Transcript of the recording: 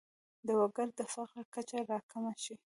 د وګړو د فقر کچه راکمه شي.